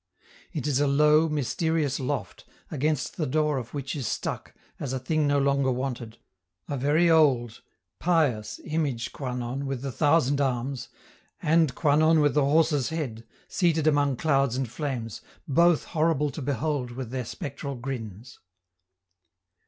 It is a low, mysterious loft, against the door of which is stuck, as a thing no longer wanted, a very old, pious image Kwanon with the thousand arms, and Kwanon with the horses' head, seated among clouds and flames, both horrible to behold with their spectral grins.